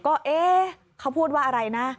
ก็เอ๊ะเขาพูดว่าอะไรนะ